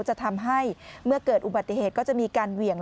จะทำให้เมื่อเกิดอุบัติเหตุก็จะมีการเหวี่ยง